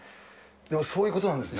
でもそういうことなんですね。